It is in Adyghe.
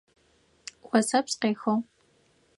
Осэпс къехыгъ.